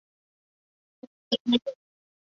黄福为工部尚书。